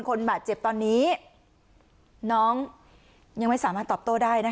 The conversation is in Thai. คนบาดเจ็บตอนนี้น้องยังไม่สามารถตอบโต้ได้นะคะ